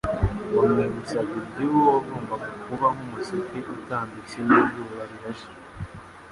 wamwibutsaga iby'Uwo wagombaga kuba nk' ''umuseke utambitse w'izuba rirashe